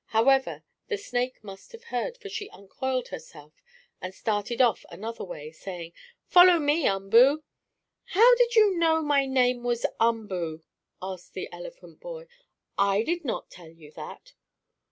However, the snake must have heard, for she uncoiled herself and started off another way, saying: "Follow me, Umboo." "How did you know my name was Umboo?" asked the elephant boy. "I did not tell you that."